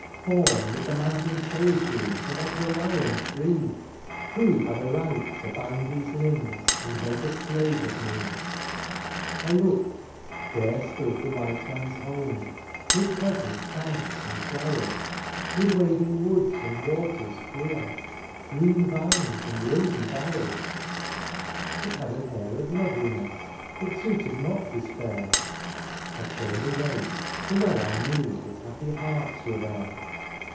Bom ^mid the mountain solitudes, And as the lion free. Who had a right to bind these limbs And make a slave of me ? 192 WHY AM I A SLAVE? I looked — ^there stood the white man^s home^ 'Mid pleasant founts and flowers^ 'Mid waving woods and waters clear^ Green vines and rosy bowers ; It had an air of loveliness That suited not despair — I turned away^ for well I knew That happy hearts were there.